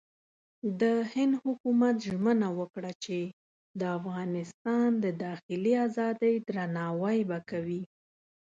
د هند حکومت ژمنه وکړه چې د افغانستان د داخلي ازادۍ درناوی به کوي.